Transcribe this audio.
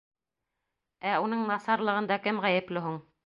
Ә уның насарлығында кем ғәйепле һуң?